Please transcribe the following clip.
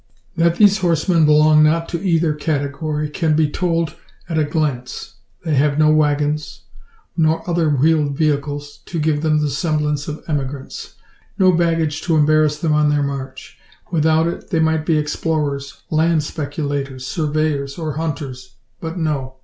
That these horsemen belong not to either category can be told at a glance. They have no waggons, nor other wheeled vehicles, to give them the semblance of emigrants; no baggage to embarrass them on their march. Without it, they might be explorers, land speculators, surveyors, or hunters. But no.